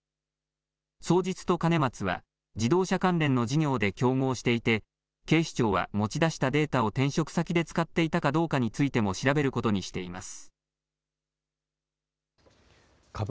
双日と兼松は自動車関連の事業で競合していて警視庁は持ち出したデータを転職先で使っていたかどうかについても調べることにしています。